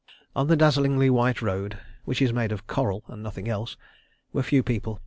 On the dazzlingly white road (which is made of coral and nothing else) were few people.